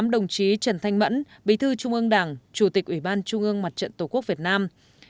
một mươi tám đồng chí trần thanh mẫn bí thư trung ương đảng chủ tịch ủy ban trung ương mặt trận tổ quốc việt nam